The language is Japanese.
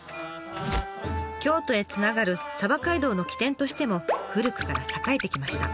京都へつながる「街道」の起点としても古くから栄えてきました。